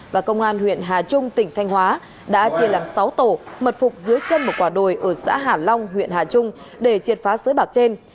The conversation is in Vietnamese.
và công an huyện hà trung tỉnh thanh hóa đã chia làm sáu tổ mật phục dưới chân một quả đồi ở xã hà long huyện hà trung để triệt phá sới bạc trên